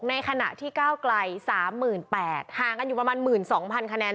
ในขณะที่ก้าวไกลสามหมื่นแปดห่างกันอยู่ประมาณหมื่นสองพันคะแนน